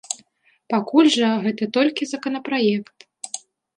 Пакуль жа, гэта толькі законапраект.